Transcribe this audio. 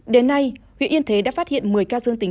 đến nay huyện yên thế đã phát hiện một mươi ca dương tính